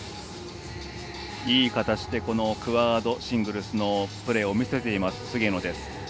いい形でクアードシングルスのプレーを見せています、菅野です。